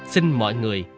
xin mọi người